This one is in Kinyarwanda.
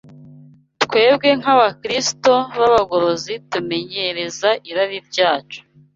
twebwe nk’Abakristo b’abagorozi tumenyereza irari ryacu